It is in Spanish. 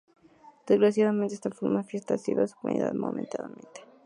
Desgraciadamente esta hermosa fiesta ha sido suspendida momentáneamente.